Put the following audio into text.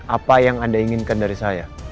apa yang anda inginkan dari saya